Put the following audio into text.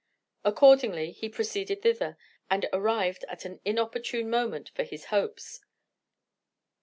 Accordingly, he proceeded thither, and arrived at an inopportune moment for his hopes.